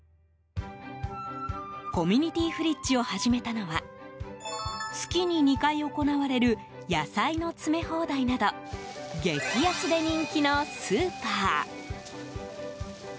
コミュニティフリッジを始めたのは月に２回行われる野菜の詰め放題など激安で人気のスーパー。